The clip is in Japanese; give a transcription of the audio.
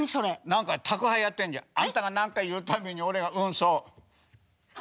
何か宅配やってんじゃん。あんたが何か言う度に俺がうんそう。